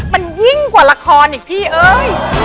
มันยิ่งกว่าละครอีกพี่เอ้ย